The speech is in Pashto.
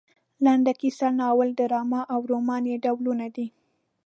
لنډه کیسه ناول ډرامه او رومان یې ډولونه دي.